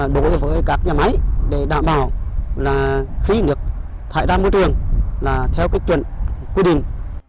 đối với các nhà máy để đảm bảo là khi nước thải ra môi trường là theo cái chuẩn quy định